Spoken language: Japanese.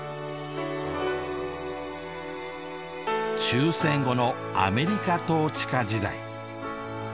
終戦後のアメリカ統治下時代。